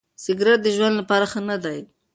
سګریټ د ژوند لپاره ښه نه دی.